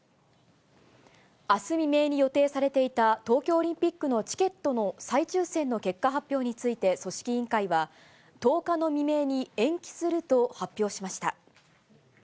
あす未明に予定されていた、東京オリンピックのチケットの再抽せんの結果発表について、組織委員会は、１０日の未明に延期すると発表しました。